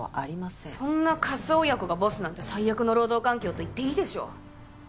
そんなカス親子がボスなんて最悪の労働環境と言っていいでしょう。